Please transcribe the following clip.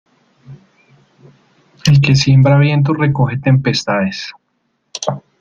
El que siembra vientos recoge tempestades.